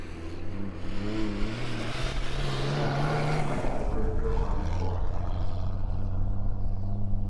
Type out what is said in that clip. তার খালাতো ভাই বরেন্দ্র কলেজে পড়ে।